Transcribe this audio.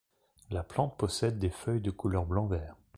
La plante possède des feuilles de couleur blanc-vert.